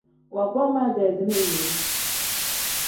Woogboo ma ikeezina inewu.